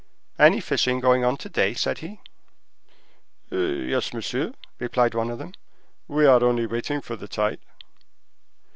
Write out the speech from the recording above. "Any fishing going on to day?" said he. "Yes, monsieur," replied one of them, "we are only waiting for the tide."